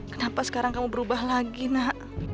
kenapa sekarang kamu berubah lagi nak